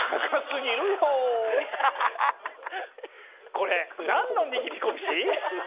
これ何の握り拳？